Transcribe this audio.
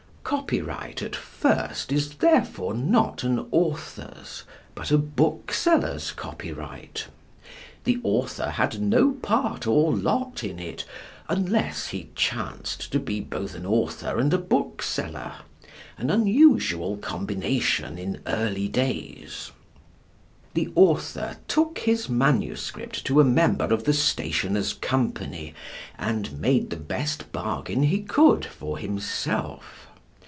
Copyright at first is therefore not an author's, but a bookseller's copyright. The author had no part or lot in it unless he chanced to be both an author and a bookseller, an unusual combination in early days. The author took his manuscript to a member of the Stationers' Company, and made the best bargain he could for himself.